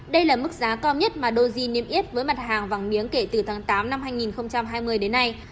đây là mức giá cao nhất mà doji niêm yết với mặt hàng vàng miếng kể từ tháng tám năm hai nghìn hai mươi đến nay